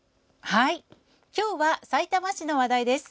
今日はさいたま市の話題です。